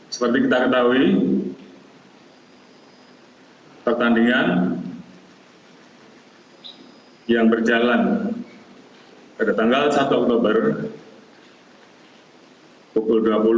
seperti kita ketahui pertandingan yang berjalan pada tanggal satu oktober pukul dua puluh